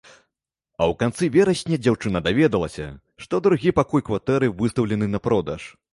А ў канцы верасня дзяўчына даведалася, што другі пакой кватэры выстаўлены на продаж.